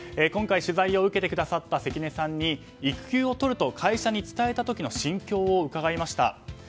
今回、取材を受けてくださった関根さんに育休を取ると会社に伝えた時の心境を伺いました。